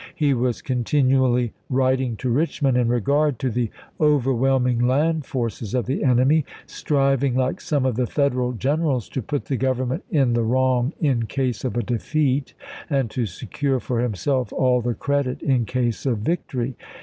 He was continually writing to Rich mond in regard to the overwhelming land forces of the enemy ; striving, like some of the Federal gen erals, to put the Government in the wrong in case of a defeat and to secure for himself all the credit in case of victory.